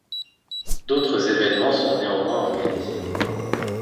D’autres évènements sont néanmoins organisés.